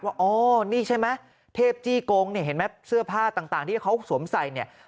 ว่านี่ใช่ไหมเทพจี้กงเนี่ยเสื้อผ้าต่างที่เขาสวมใส่เนี่ย